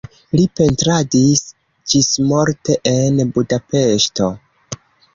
Li pentradis ĝismorte en Budapeŝto.